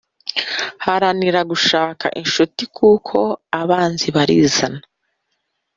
Haranira gushaka inshuti kuko abanzi barizana